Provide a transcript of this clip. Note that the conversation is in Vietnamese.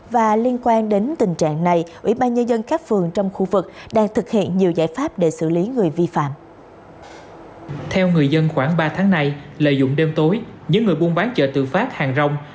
và liên quan đến tình trạng này ủy ban nhà dân các phường trong khu dân cư gây hồi thối và ảnh hưởng đời sống sinh hoạt cộng đồng